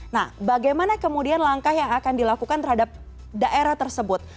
nah bagaimana kemudian langkah yang akan dilakukan terhadap daerah tersebut